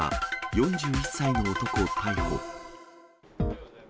４１歳の男逮捕。